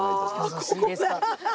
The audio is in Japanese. よろしいですか？